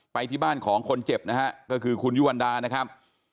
ไปที่บ้านของคนเจ็บนะฮะก็คือคุณยุวันดานะครับ